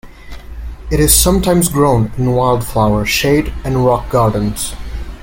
It is sometimes grown in wildflower, shade, and rock gardens.